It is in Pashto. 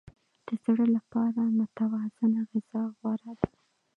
د زړه لپاره متوازنه غذا غوره ده.